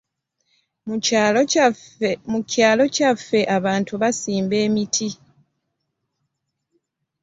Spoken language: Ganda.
Mu kyalo kyaffe abantu basimba emiti.